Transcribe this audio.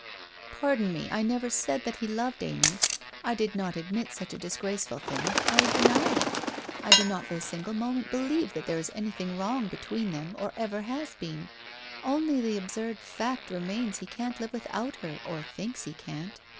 ' Pardon me, I never said that he loved Amy. I did not admit such a disgraceful thing. I deny it. I do not for a single moment believe that there is anything wrong between them or ever has been — only the absurd fact re mains he can't live without her, or thinks he can't.